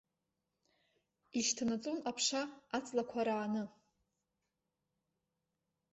Ишьҭанаҵон аԥша аҵлақәа рааны.